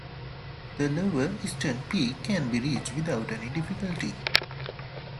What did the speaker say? The lower, eastern, peak can be reached without any difficulty.